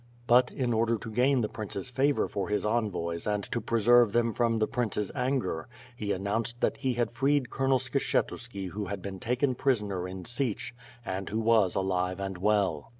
But, in order to gain the prince's favor for his envoys and to pre serve them from the prince's anger, he announced that he had freed Colonel Skshetuski who had been taken prisoner in Sich, and who was alive and well.